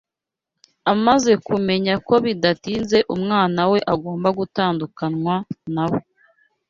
Amaze kumenya ko bidatinze umwana we agomba gutandukanywa na we